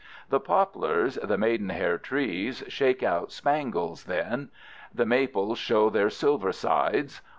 The poplars, the maidenhair trees, shake out spangles then. The maples show their silver sides.